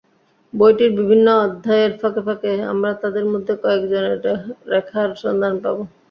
বইটির বিভিন্ন অধ্যায়ের ফাঁকে ফাঁকে আমরা তাঁদের মধ্যে কয়েকজনের রেখার সন্ধান পাব।